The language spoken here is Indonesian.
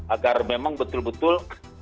agar memang betul betul